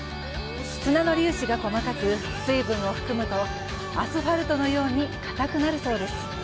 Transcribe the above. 砂の粒子が細かく水分を含むとアスファルトのように硬くなるそうです。